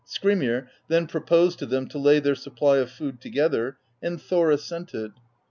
Skrymir then proposed to them to lay their supply of food together, and Thor assented.